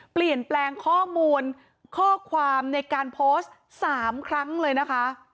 เปลี่ยนแปลงข้อมูลข้อความในการโพสต์๓ครั้งเลยนะคะ